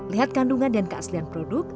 lihat kandungan dan keaslian produk